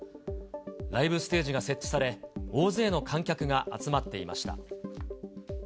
ライブステージが設置され、大勢の観客が集まっていました。